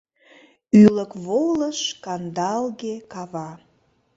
Ӱлык волыш кандалге кава.